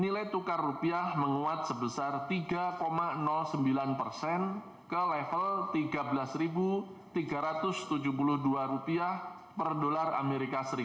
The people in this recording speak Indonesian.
nilai tukar rupiah menguat sebesar tiga sembilan persen ke level rp tiga belas tiga ratus tujuh puluh dua per dolar as